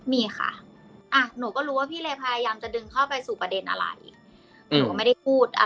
มีค่ะอ่ะหนูก็รู้ว่าพี่เลยพยายามจะดึงเข้าไปสู่ประเด็นอะไรหนูก็ไม่ได้พูด